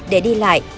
để đi lại